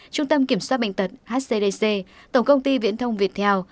trung tâm kiểm soát bệnh tật hcdc tổng công ty viễn thông việt theo